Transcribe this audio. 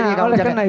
nah oleh karena itu